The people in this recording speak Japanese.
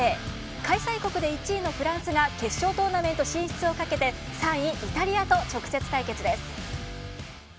開催国で１位のフランスが決勝トーナメント進出をかけて３位イタリアと直接対決です。